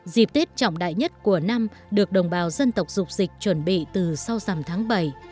dịp tết trọng đại nhất của năm được đồng bào dân tộc dục dịch chuẩn bị từ sau dằm tháng bảy